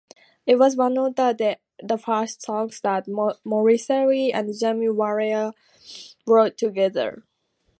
It was one of the first songs that Morrissey and Johnny Marr wrote together.